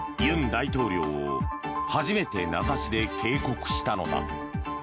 尹大統領を初めて名指しで警告したのだ。